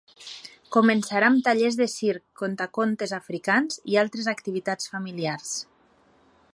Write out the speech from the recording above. Començarà amb tallers de circ, contacontes africans i altres activitats familiars.